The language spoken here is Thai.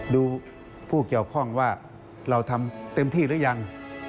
ดูผู้เกี่ยวข้องว่าเราทำเต็มที่หรือยัง